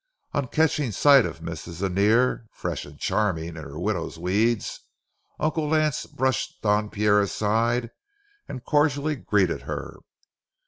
On catching sight of Mrs. Annear, fresh and charming in her widow's weeds, Uncle Lance brushed Don Pierre aside and cordially greeted her.